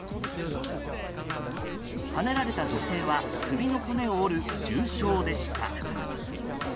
はねられた女性は首の骨を折る重傷でした。